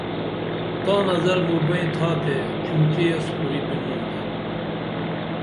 تاں نظر موں بئیں تھاتے چُنچِیس کُری بِنُمتا